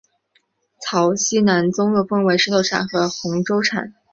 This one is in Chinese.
曹溪南宗又分为石头禅和洪州禅。